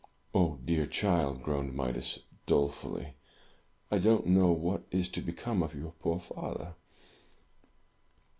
"Ah, dear child," groaned Midas, dolefully, "I don't know what is to become of your poor father!"